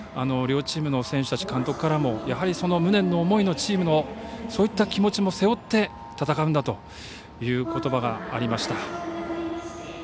両チームの選手たち監督からもやはり無念の思いのチームのそういった気持ちも背負って戦うんだということばがありました。